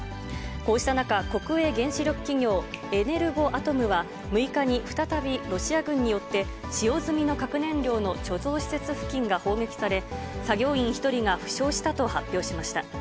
こうした中、国営原子力企業、エネルゴアトムは、６日に再びロシア軍によって使用済みの核燃料の貯蔵施設付近が砲撃され、作業員１人が負傷したと発表しました。